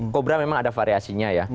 kobra memang ada variasinya ya